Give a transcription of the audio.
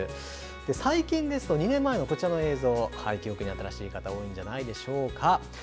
最近ですと、２年前のこちらの映像、記憶に新しい方、多いんじゃないでしょうか。